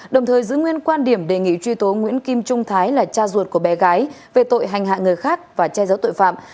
đồng thời giữ nguyên quan điểm đề nghị truy tố nguyễn kim trung thái là cha ruột của bé gái về tội hành hạ người khác và che giấu tội phạm